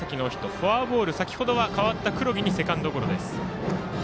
フォアボール、先ほどは代わった黒木にセカンドゴロ。